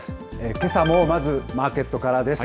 けさもまずマーケットからです。